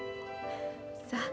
さあ。